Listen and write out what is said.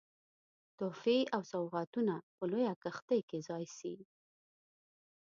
تحفې او سوغاتونه په لویه کښتۍ کې ځای سي.